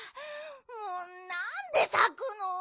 もうなんでさくの？